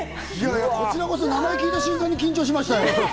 こちらこそ名前を聞いた瞬間に緊張しましたよ。